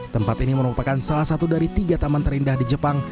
tempat ini merupakan salah satu dari tiga taman terindah di jepang